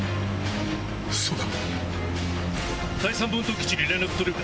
そうだ！